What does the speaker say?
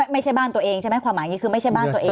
ไม่ใช่บ้านตัวเองใช่ไหมความหมายอย่างนี้คือไม่ใช่บ้านตัวเอง